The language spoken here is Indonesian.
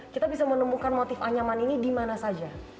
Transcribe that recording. kita bisa menemukan motif anyaman ini di mana saja